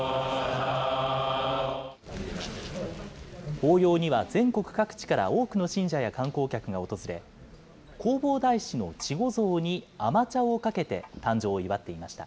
法要には全国各地から多くの信者や観光客が訪れ、弘法大師の稚児像に甘茶をかけて、誕生を祝っていました。